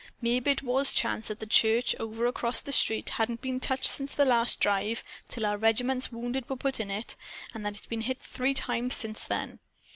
Maybe it was chance that the church, over across the street, hadn't been touched since the last drive, till our regiment's wounded were put in it and that it's been hit three times since then.